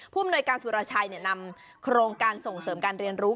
อำนวยการสุรชัยนำโครงการส่งเสริมการเรียนรู้